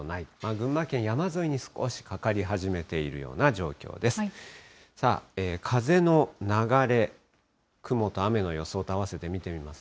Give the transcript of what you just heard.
群馬県山沿いに少しかかり始めているような状況です。